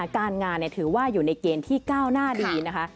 การงานถือว่าอยู่ในเกณฑ์ที่ก้าวหน้าดีนะคะ